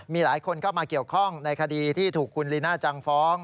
มีหลายคนเข้ามาเกี่ยวข้องในคดีที่ถูกคุณลีน่าจังฟ้อง